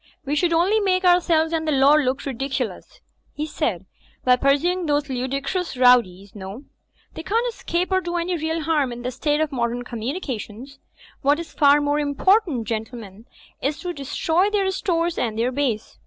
We should only make ourselves and the law ridicu THE INN FINDS WINGS 51 lous," he said, "by pursuing those ludicrous rowdies no^. They can't escape or do any real harm in the state of modem communications. What is far more important, gentlemen, is to destroy their stores and their base.